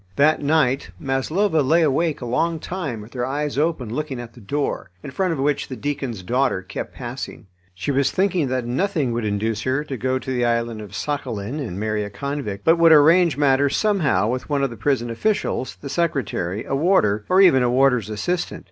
That night Maslova lay awake a long time with her eyes open looking at the door, in front of which the deacon's daughter kept passing. She was thinking that nothing would induce her to go to the island of Sakhalin and marry a convict, but would arrange matters somehow with one of the prison officials, the secretary, a warder, or even a warder's assistant.